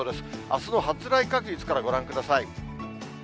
あすの発雷確率からご覧ください。